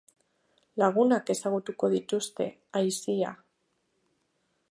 Lagunak ezagutuko dituzte, aisia.